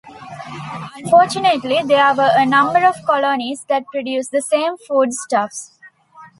Unfortunately, there were a number of colonies that produced the same foodstuffs.